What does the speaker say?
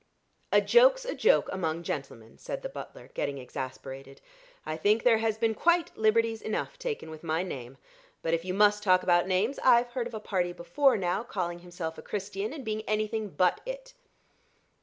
"A joke's a joke among gentlemen," said the butler, getting exasperated; "I think there has been quite liberties enough taken with my name. But if you must talk about names, I've heard of a party before now calling himself a Christian, and being anything but it."